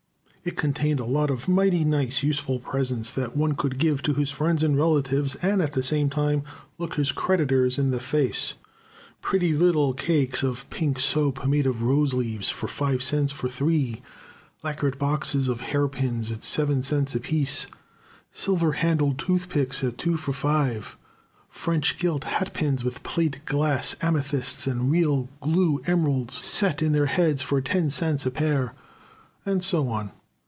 It contained a lot of mighty nice, useful presents that one could give to his friends and relatives and at the same time look his creditors in the face pretty little cakes of pink soap made of rose leaves for five cents for three; lacquered boxes of hairpins at seven cents apiece; silver handled toothpicks at two for five; French gilt hatpins, with plate glass amethysts and real glue emeralds set in their heads for ten cents a pair, and so on.